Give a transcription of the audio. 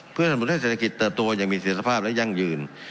เพื่อสมมุติให้เศรษฐกิจตัวตัวยังมีเสียสภาพและยั่งยืน